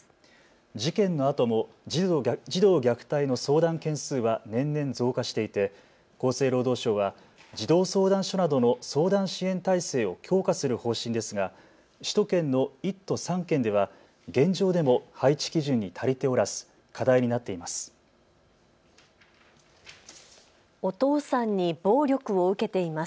事件のあとも児童虐待の相談件数は年々増加していて厚生労働省は児童相談所などの相談支援体制を強化する方針ですが首都圏の１都３県では現状でも配置基準に足りておらず課題になっています。